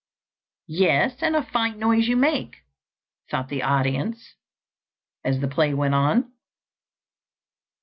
"Yes, and a fine noise you make," thought the audience, as the play went on.